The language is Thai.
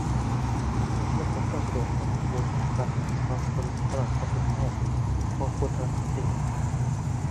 และคนก็สะดวกรับข้อมูลต่างกัน บางคนถนัดฟังคนอื่นเล่า บางคนถนัดอ่านเอง